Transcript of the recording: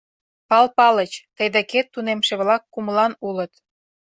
— Пал Палыч, тый декет тунемше-влак кумылан улыт.